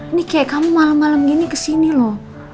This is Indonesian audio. ini kayak kamu malem malem gini kesini loh